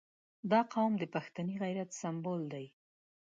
• دا قوم د پښتني غیرت سمبول دی.